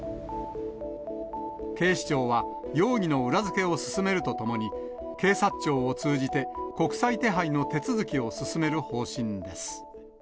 警視庁は、容疑の裏付けを進めるとともに、警察庁を通じて、国際手配の手続きを進める方針です。